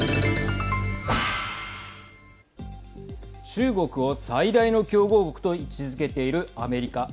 中国を最大の競合国と位置づけているアメリカ。